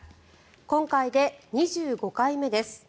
今回で２５回目です。